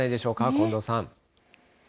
近藤さん。